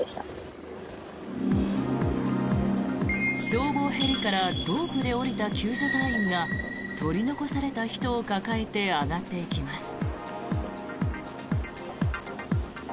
消防ヘリからロープで降りた救助隊員が取り残された人を抱えて上がっていきます。